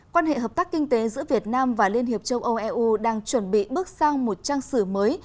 quan hệ hợp tác kinh tế giữa việt nam và liên hiệp châu âu eu đang chuẩn bị bước sang một trang sử mới